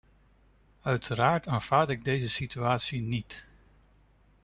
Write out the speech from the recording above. Uiteraard aanvaard ik deze situatie niet.